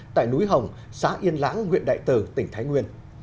tại núi hồng xã yên lãng nguyện đại tử tỉnh thái nguyên